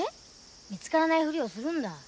見つからないふりをするんだ。